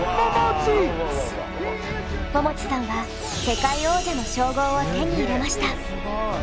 ももちさんは世界王者の称号を手に入れました。